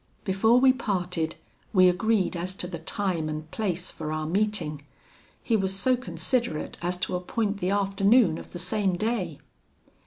"Before we parted, we agreed as to the time and place for our meeting. He was so considerate as to appoint the afternoon of the same day.